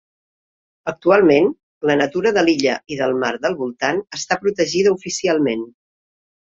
Actualment la natura de l'illa i del mar del voltant està protegida oficialment.